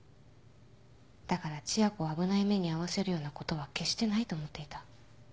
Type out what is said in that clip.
だから千夜子を危ない目に遭わせるようなことは決してないと思っていた